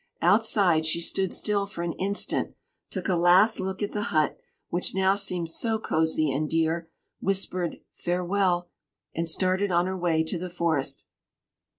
Outside, she stood still for an instant, took a last look at the hut, which now seemed so cozy and dear, whispered "Farewell," and started on her way to the forest.